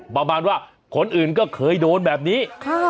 ประมาณว่าคนอื่นก็เคยโดนแบบนี้